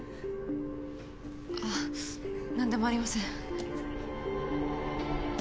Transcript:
あっなんでもありません。